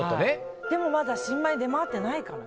でも、まだ新米が出回ってないかな。